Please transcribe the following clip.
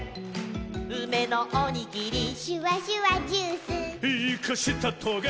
「うめのおにぎり」「シュワシュワジュース」「イカしたトゲ」